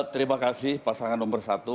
terima kasih pasangan nomor satu